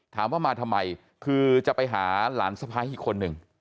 ถามว่ามาทำไมคือจะไปหาหลานสะพ้ายอีกคนนึง